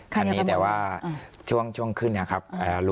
มันมีแต่ว่าช่วงขึ้นนะครับ